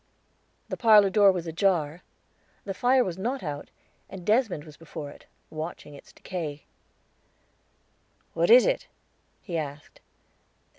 The parlor door was ajar; the fire was not out, and Desmond was before it, watching its decay. "What is it?" he asked.